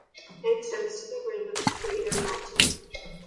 It extends to the rim of the crater Moulton.